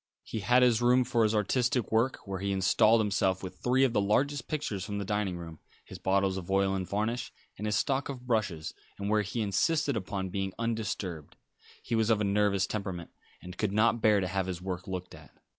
He had his room for his artistic work, where he installed himself with three of the largest pictures from the dining room, his bottles of oil and varnish, and his stock of brushes, and where he insisted upon being undisturbed. He was of a nervous temperament, and could not bear to have his work looked at.